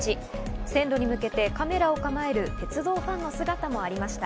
線路に向けてカメラを構える鉄道ファンの姿もありました。